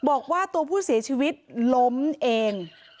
บอกว่าตัวผู้เสียชีวิตล้มเอง